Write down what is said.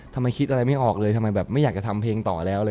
ทำไมคิดอะไรไม่ออกเลยทำไมแบบไม่อยากจะทำเพลงต่อแล้วอะไร